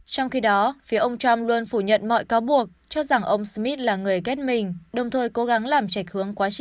trong khi đó phía ông trump luôn phủ nhận mọi cáo buộc cho rằng ông smith là người ghét mình